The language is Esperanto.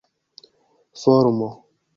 formo